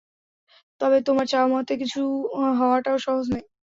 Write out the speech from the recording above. তবে, তোমার চাওয়ামতো কিছু হওয়াটাও সহজ নয়!